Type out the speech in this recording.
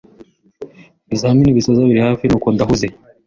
Ibizamini bisoza biri hafi, nuko ndahuze.